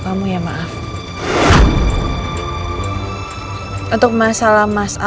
kamu yang udah bikin nama suami aku tuh jadi jelek